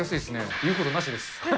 言うことなしです。